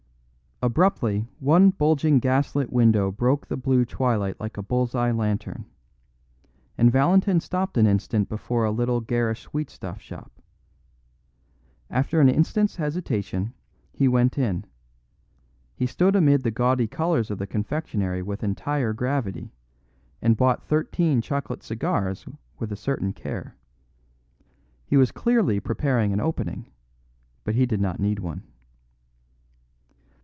Abruptly one bulging gas lit window broke the blue twilight like a bull's eye lantern; and Valentin stopped an instant before a little garish sweetstuff shop. After an instant's hesitation he went in; he stood amid the gaudy colours of the confectionery with entire gravity and bought thirteen chocolate cigars with a certain care. He was clearly preparing an opening; but he did not need one.